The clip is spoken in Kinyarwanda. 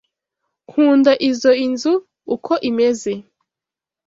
Nkunda izoi nzu uko imeze.